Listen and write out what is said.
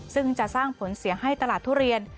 ซึ่งจะสร้างผลเสียให้ตลาดทุเรียน